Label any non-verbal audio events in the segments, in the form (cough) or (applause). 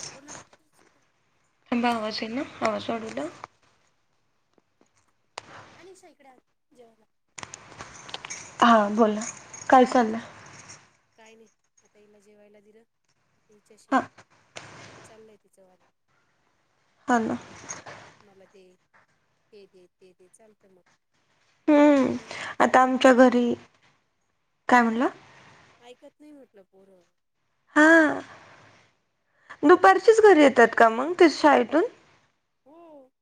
हां बोल ना. बावाज ना हा हा सोडलं. आणि ईकडा जेवायला. हा बोला काय चाललं. काय नाही आता हिला जेवायला दिलं आता हिच्याशी हा चाललंय तिचं वालं. हा ना. हं मला हे दे ते दे चालतं मग. ह नाही आता ऐकत आमच्या नाही हो पोरं घरी काय म्हणलं. ऐकत नाही म्हटलं पोरं. हां दुपारचीच घरी येतात का मग त शाळेतून. हो,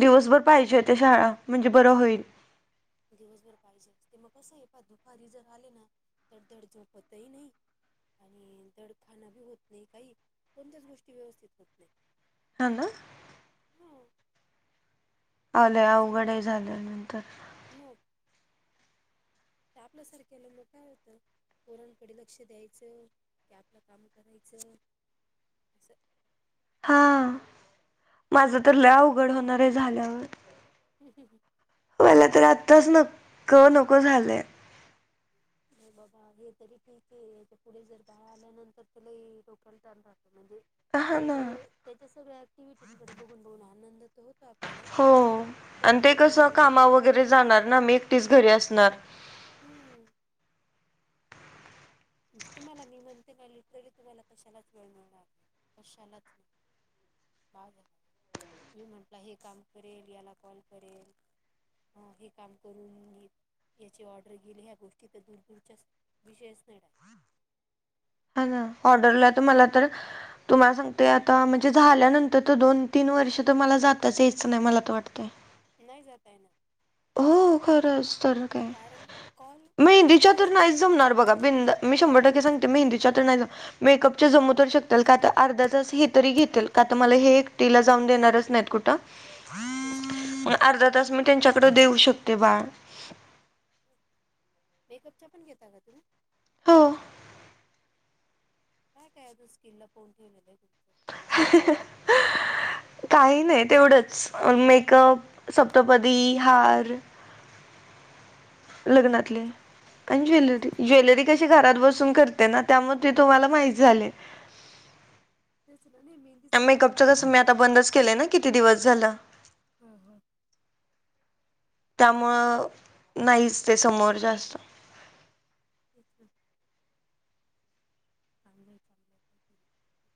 दिवसभर पाहिजे त्या शाळा म्हणजे बरं होईल. दिवसभर पाहिजे ते मग कसं आहे प दुपारी जर आले ना तडधड झोपतही नाही. आणि दड खाना बी होत नाही काही कोणत्याच गोष्टी व्यवस्थित होत नाही. हा ना, हा आल्या अवघड सारखं झाल्या नंतर. मग. ते आपल्यासारख्याला मग काय होतं. पोरांकडे लक्ष द्यायचं की आपलं काम करायचं अस. हा माझं तर लय उघड होणार आहे झाल्यावर. ह हंं, मला तर आत्ताच नक नको झालंय. नाही बाबा हे तरी ठीक आहे याच्या पुढे जर बाळ आल्यानंतर त्याला डोक्याला ताप राहत लय लय. हा ना त्याचे त्याच्या सगळ्या ऍक्टिव्हटींकडे बघून बघून आनंद होतो आपल्याला. हो पण आणि ते मग कसं अं, कामा वगैरे जाणार ना मी एकटीच घरी असणार. हम्म. तुम्हाला मी म्हणते ना लिटरली तुम्हाला कशालाच वेळ मिणार आहे कशालाच नाही. बाळ झाल्यावर तुम्ही म्हटला हे काम करेल याला कॉल करेल. हा काम करून घेत. याची ऑर्डर गेली ह्या गोष्टी तर दूर दूरच्या विषयच न रा. हा ना ऑर्डरला तर मला तर. तुम्हाला सांगते आता म्हणजे झाल्यानंतर तर दोन तीन वर्ष तर मला जातच यायचं नाय मला तर वाटतंय. नाय जाता येणार. हो खरंच तर काय कारण कॉल मी तुम्हाला मेहंदीच्या काय तर नायच सांगते जमणार बघा बिंदा मी शंभर टक्के सांगते मीहिंदीच्या तर नाय मेकअप जमू तर शकत्याल का आ अर्धा तास हे तरी घेतेल का तर मला हे एकटीला जाऊन देणारच नायत कुठं. तेच ना म अर्धा तास मी त्यांच्याकड देऊ शकते बाळ. मेकअपच्या पण घेता का तुम्ही? हो. काय काय स्किल लपऊण ठेवलेलं ए तुमचं? (inaudible) काय नाही तेवढंच मेकअप सप्तपदी हार. लग्नातले छान आहे, छान आणि ज्वेलरी. आहे. ज्वेलरी कशी घरात बसून करते ना त्यामुळे ते तुम्हाला माह्यत झालंय. ते ना नेहमी त्या मेकअप तसं मी आता बंदच केलंय ना किती दिवस झालं. हो हो. त्यामुळं नाहीच ते समोर जास्त. (unintelligible) चांगलंय चांगलंय कायतरी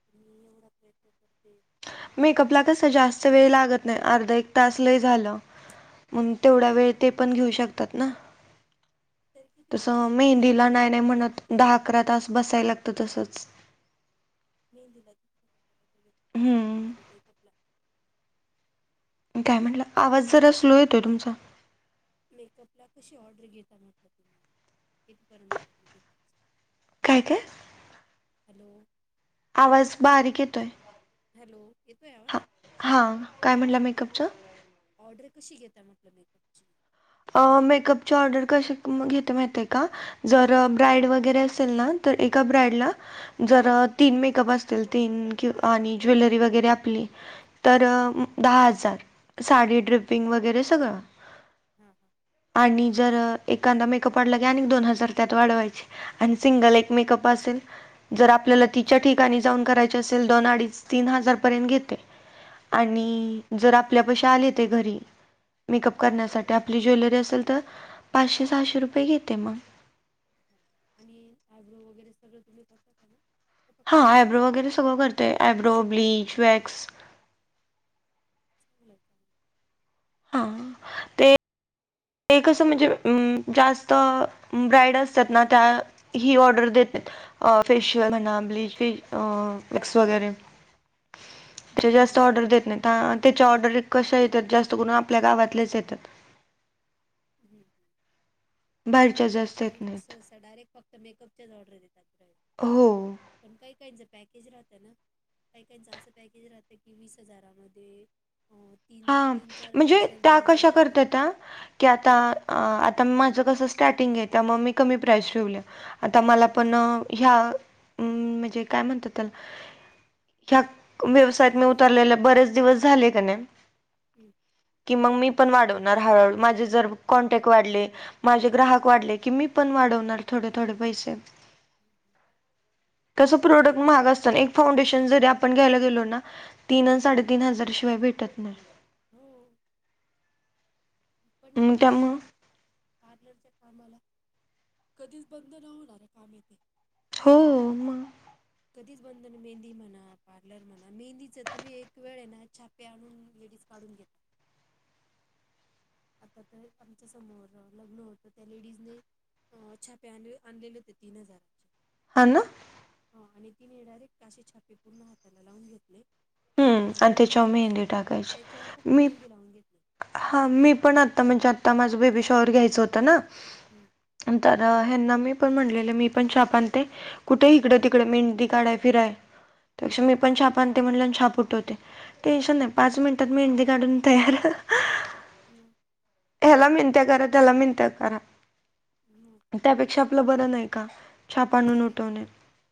तरी एवढा प्रयत्न करते. या मेकअप ला वर्षापासून कस जास्त वेळ लागत नाय अर्धा एक तास लय झालं. मग तेवढा वेळ ते पण घेऊ शकतात ना. तरी कितीपर्यंत तसं ऑर्डर घेत आहे मेहंदीला नाय नाय म्हणत मेकअपची दहा ऑर्डर अकरा तास कितीपर्यंत बसाय लागतं तसच. मेहंदीला सॉरी हम्म मेकअप ला? काय म्हणला? आवाज जरा स्लो येतोय तुमचा. मेकअप ला कशी ऑर्डर घेता म्हटलं तुम्ही, कितीपर्यंत ऑर्डर घेता? काय काय? हॅलो येतोय का आवाज, बारीक येतोय हॅलो येतोय आवाज? हा हा काय म्हटला मेकअपचं? ऑर्डर कशी घेता म्हटलं मेकअपची? अं- मेकअपची ऑर्डर कशी घेते माहीतीय का जर हं, ब्राईड वगैरे असेल ना तर एका हं, ब्रॅडला जर तीन मेकअप असतील तीन किं- आणि ज्वेलरी वगैरे आपली हं. तर दहा हजार साडी ड्रिपिंग वगैरे सगळं. हा हा. आणि जर एखांदा मेकअप वाढला की आणिक दोन हजार त्यात वाढवायचे. आणि सिंगल एक मेकअप असेल जर हं, आपल्याला तिच्या ठिकाणी जाऊन करायच असेल दोन, अडीच, तीन हजार पर्यंत घेते. हां हां आणि हां. जर आपल्यापशी आले ते घरी मेकअप करण्यासा ठी -जर आपली ज्वेलरी असेल तर पाचशे, सहाशे रुपये घेते मग. आणि आयब्रो वगैरे सगळं तुम्ही करता का मग? का फक्त हा आयब्रो मेकअपच वगैरे करता सगळं करतोय आयब्रो, ब्लीच, वॅक्स चांगलय. हा ते ते कसं म्हणजे अं जास्त ब्राईड असत्यात ना त्या ही ऑर्डर देत नायत. अ फेशिअल म्हणा, ब्लीच, वॅक्स वगैरे. त्यांच्या जास्तं आहे. ऑर्डर देतं नाहीं आंता त्यांच्या ऑर्डरी कश्या येत्यांत जास्तं करूंन आपल्यां गावांतल्याचं येत्यांत. हम्मं बाहेरच्या हम्मं जास्त येत डायरेक्ट नाहीत सहंसा डायरेक्ट प मेकअपच्या चं ऑर्डर देतांत ब्राइड हो पणं कांहीं काहींचं पॅकेज राहतं नां? कांहीं काहींचं चं असं पॅकेज राहतं की वीस हजांरामध्यें अं तीन हां तीन चार म्हणजे फेशियल त्यां दोन कश्या महिन्यापर्यंत करत्यांता आं की आंता आंता माझं कसं स्टार्टिंग आहे त्यामुळं मी कमी प्राईज ठेवल्यां. आंता मलां हम्म, पणं ह्यां म्हणजे मं म्हणजे कायं म्हणतांत त्यांला ह्यां व्यवसायांत मी उतरलेल्या बरेचं दिवसं झाले कानेय हम्मं कि मंग मी पणं वाढवणारं हळूहळू माझे जरं कॉन्टॅक्ट वाढले माझे हम्म. ग्राहक वाढले की मी पणं वाढवणारं थोडे थोडे पैसे हम्मं हम्मं कसं प्रोडक्ट महांग असतं नां एक फाउंडेशन जरी आपणं घ्यांयला गेलो नां तीनं आंण साडेतीन हजांर शिवाय भेटतं नाहीं हम्मं पणं मग ठिकं आहे त्यामुळं पार्लरच्या कामांला कधीचं बंद नं होणारं आहे कामं येथे हो मंग कधीचं बंद नं मेहंदी म्हणां पार्लर म्हणां मेंदीच तुम्हीं एक वेळं नां छाप पे आंणून लेडीज काढूंन घेतां आंता तरं आमच्यां समोर लग्नं होतं त्याऊ लेडीजने अं छापे आंण आंणलेले होते तीनं हजारांचे हं नां हो आणि तिने डायरेक्ट अशी छापे पूर्ण हातांला लावूंन घेतले आणि हं त्यांच्यावर त्याच्यावर काहीऊतरी मेहंदी टाकायची. त्याच्यावरू फक्तं मी मेहंदी लावूंन घेतलीं हां मी पणं आंता म्हणजे आंता माझं बेबी शॉहर घ्यायचं होतं नां हम्मं पणं हेना मी पणं म्हणलेले मी पणं छाप आणते कुंठे इकडं तिकडें मेहंदी काढांय फिरांय हम्म, मी पणं छाप आणते म्हणलं छाप उठवते हम्म. टेंशन नाहीं पांच मिनिटं मेहंदी काढूंन तयार हम्मं ह्यांला मिनत्यां करां त्यांला मिनत्यां करां मं त्यांपेक्षा आपलं बरं नाहीं कां छापा आणूंन उमटवणे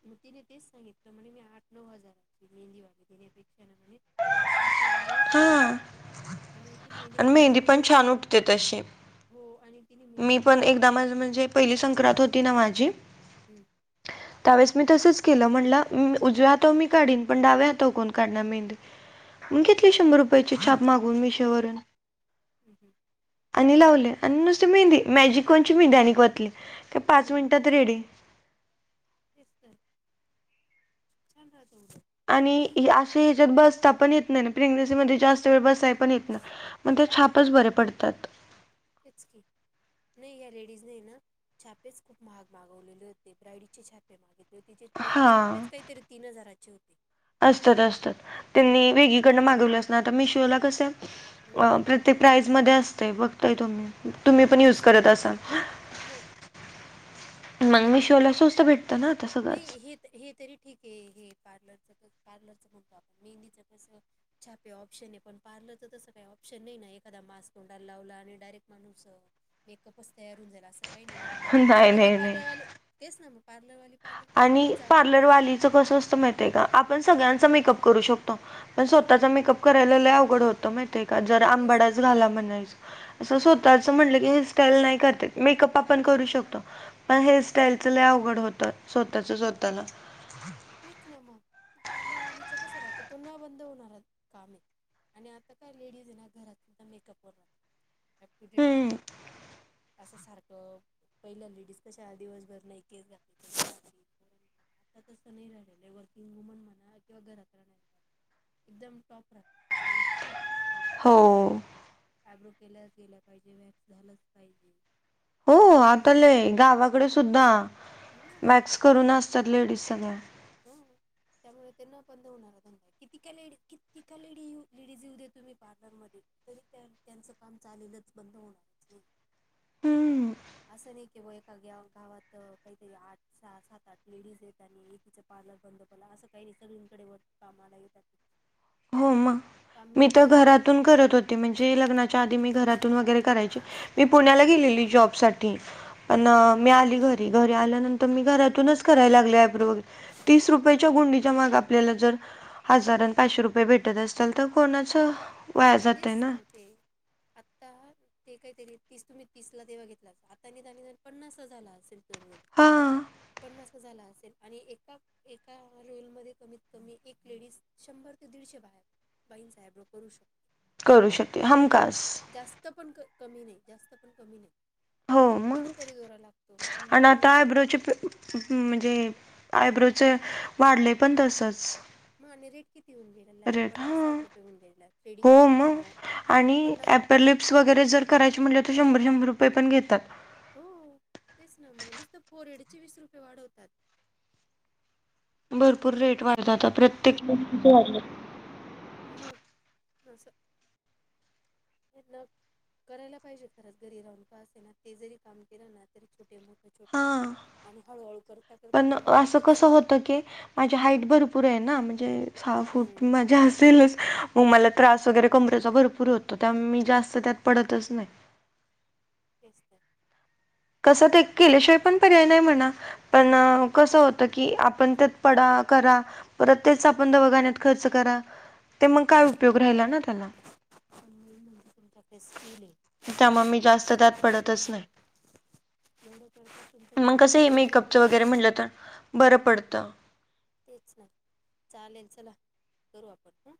मंग तिने तेचं सांगितलं म्हणे मी आठ नऊ हजाराची मेहंदीवाली देण्यांपेक्षा नां म्हणे छापे आणले हां आणि तीनं मेहंदी आणि काढूंन घेते पण पणं छान उठते तशी. हो आणि तिने मी मेहंदी पणं त्यातल्या त्यात एकदां आहे ना माझी म्हणजे पहिली संक्रांत होती नां माझी हम्मं त्यांवेळेस मी तसंच केलं म्हटलं मी उजव्यांहातांवर मी काढीन पणं डाव्यां हातांवर कोणं काढणारं मेंहंदी मी हम्म, घेतली शंभर रुपयाची छाप मागवून मिशोवरून. (unintelligible) आणि लावले आणि नुसती मेहंदी मॅजिक कोणची मेहंदी आणिक वतली. त्या पाच हा, मिनटात रेडी. तेच तर छान राहत उलट. आणि नाही ह्या हिने- अश्या ह्याच्यात बसता पण येत नाय ना प्रेग्नेन्सी मध्ये जास्त वेळ बसाय पण येत नाय. म ते छापच बरे पडतात. तेच कि. नाही या लेडीजने ना छापेच खूप महाग मागवलेले होते ब्रायडचे छापे मागित तिचे हां छापेच काहीतरी तीन हजाराचे होते. असतात असतात त्यांनी वेगळीकडनं मागवले असणार आता मिशोला कस हम्म, प्र ते प्राईज मध्ये असतंय बघताय तुम्ही, तुम्ही पण यूज तेच ते करत असाल? मग मग मी मीशो ला स्वथ भेटत ना? आता सगळंच नाई हे हे तरी ठीक ए हे पार्लरच पार्लरच म्हणतो आपण मेहंदीच कसं छापे ऑप्शन ए पण पार्लरच तसं काही ऑप्शन नाही ना एखादा मास्क तोंडाला लावला आणि डायरेक्ट माणूस मेकअपच तयार होऊन जाईल असं काही नाही ना नाही पार्लर हे नाही नाही पार्लरवाले तेच ना मग पार्लरवाले आणि पार्लर वालीच कसं असतं माहितय का आपण हम्म, सगळ्यांच मेकअप करू शक पण स्वतःचा हम्म, मेकअप करायला लय अवघड होतं माहितीय का जर तेच ना आंबाडाच घाला म्हणायच. असं स्वतःच म्हटलं की हेअरस्टाईल नाही करता मेकअप आपण करू शकतो. पण हेअरस्टाईलच लय अवघड होत स्वतःच स्वतःला. तेच ना म पार्लरवालीच कसं राहतं तो न बंद होणार कामए. आणि आता काय लेडीज आहे ना घरात सुद्धा मेकअप वर राहत अप टू डेट राहत. हम्म. असं सारखं पहिल्या लेडीज कशा दिवसभर नाही केस चातील आता तसं नाही राहिलेलं वर्किंग वुमन म्हणा किंवा घरात राहणाऱ्या एकदम टॉप राहतात व्यवस्थित. हो. अब्रो केला केलाच पाहिजे व्हॅक्स झालाच पाहिजे. हो असं आता मै लय महिने गावाकडे आत- सुद्धा हो, मॅक्स करून असतात लेडीज सगळ्या. हं. (inaudible) त्यामुळे ते न बंद होणारा धंदा ए किती का लेडी किती का लेडी लेडीज येऊ- येऊदे तुम्ही पार्लरमध्ये तरी त्यांचं काम चालेलंच बंद होणारच नाही हम्म. असं नाय केि वय गावात काहीतरी आठ सहा, सात, आठ लेडीज आहेत आणि एकीच पार्लर बंद पडला असं काही सगळींकडे कामाला येतात. हो म काम मी मिळतंच तर सगळ्यांना घरातून करत हो ती लग्नाच्या आधी मी घरातून वगैरे करायची मी पुण्याला गेलेली जॉब साठी हो पण ना मी आली घरी घरी आल्यानंतर मी घरातूनच करायला लागले आय ब्रो वगैरे. तीस रुपयाच्या गुंडीच्या माग आपल्याला जर हजार पाचशे रुपय भेटत असताल तर कोणाचं वाया मी तेच जातय ना सांगते आता ते काहीतरी तीस तुम्ही तीसला तेव्हा घेतला आता निदान पन्नास झाला असेल. हा. पन्नास झाला असेल आणि ए ए- एका रोलमध्ये कमीत कमी एक लेडीज शंभर ते दीडशे बाया बाईंचा आय ब्रो करू शक करू शकते हमखास. जास्त पण कमी नाही, जास्त पण कमी नाही. हो मग कितीतरी दोरा लागतो, प मग आणि आता पन्नास रुपये. आयब्रोचे प म्हणजे आयब्रोच वाढलय पण तसच. माणे रेट किती होऊन घे लाय रेट पन्नास, हा. साठ रुपये होऊन गेलाय, फे मग पन्नास. पर लिप्स वगैरे जर करायची म्हणलीस, तर शंभर शंभर रुपये पण घेतात. हो, तेच ना म्हणूस तर फोरेडचे वीस रुपये वाढवतात. भरपूर रेट वाढतं आता प्रत्येक. (unintelligible) मग असं न करायला पाहिजे खरंच घरी राहून का असेना ते जरी काम केलं ना तरी छोटे मोठ. छोट हा मोठं आणि हळूहळू करता करता काम वाढतंच. तो की, माझी हाईट भरपूर आहे ना म्हणजे सहा फूट हम्म, मंजे असेलच. मग मला त्रास हम्म, वगैरे कमरेचा भरपूर होतो, त्यामुळं मी जास्त त्यात पडतच नाही. तेच तर कसं ते केल्याशिवाय पण पर्याय नाही म्हणा, पण कसं होतं की, आपण त्यात पडा, करा. परत तेच आपण दवाखान्यात खर्च करा, ते मग काय उपयोग राहिला ना त्याला. पण म्हणजे तुमच्या त्यामुळे मी फेस्ता जास्त (inaudible) त्यात तुम्ही ते पडतच मा नाही. (inaudible) एवढं करता मग तुमच्याकडे कसं हे (unintelligible) मेकअपचं वगैरे करत. म्हटलं तर बरं पडतं. तेच ना, चालेल चला करू आपण हं